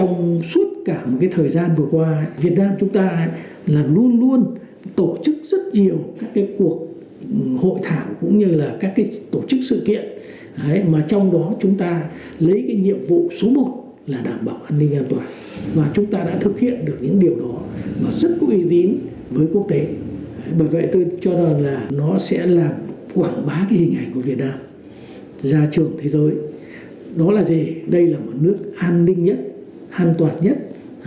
nó là gì đây là một nước an ninh nhất an toàn nhất